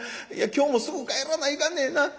今日もすぐ帰らないかんねんな。